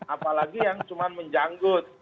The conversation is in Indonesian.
apalagi yang cuman menjanggut